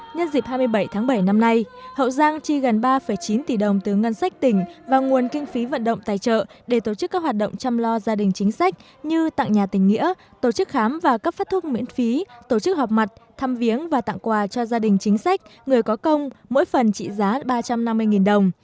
nhân dịp hai mươi bảy tháng bảy năm nay hậu giang chi gần ba chín tỷ đồng từ ngân sách tỉnh và nguồn kinh phí vận động tài trợ để tổ chức các hoạt động chăm lo gia đình chính sách như tặng nhà tình nghĩa tổ chức khám và cấp phát thuốc miễn phí tổ chức họp mặt thăm viếng và tặng quà cho gia đình chính sách người có công mỗi phần trị giá ba trăm năm mươi đồng